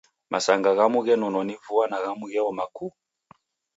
Masanga ghamu ghenonwa ni vua na ghamu gheoma kuu!